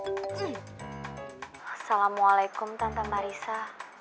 assalamualaikum tante marissa